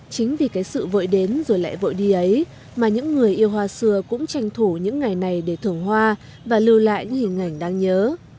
chính vì cái sự vội đến rồi lại vội đi ấy mà những người yêu hoa xưa cũng tranh thủ những ngày này để thưởng hoa và lưu lại những hình ảnh đáng nhớ